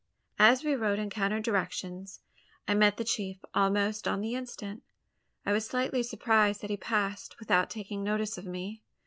As we rode in counter directions, I met the chief almost on the instant. I was slightly surprised that he passed, without taking notice of me!